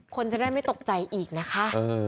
คนจะได้ไม่ตกใจอีกนะคะ